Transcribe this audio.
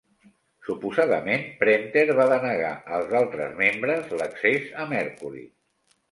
Suposadament, Prenter va denegar als altres membres l'accés a Mercury.